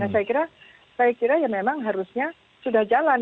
saya kira ya memang harusnya sudah jalan